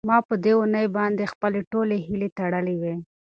ما په دې ونې باندې خپلې ټولې هیلې تړلې وې.